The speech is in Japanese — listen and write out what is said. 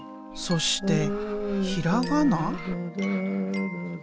そしてひらがな？